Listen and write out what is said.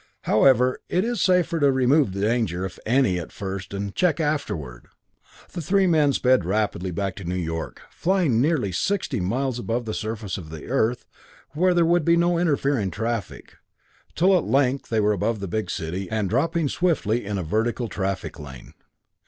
However, it's safer to remove the danger, if any, first, and check afterward." The three men sped rapidly back to New York, flying nearly sixty miles above the surface of the Earth, where there would be no interfering traffic, till at length they were above the big city, and dropping swiftly in a vertical traffic lane.